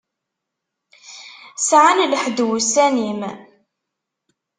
Sɛan lḥedd wussan-im.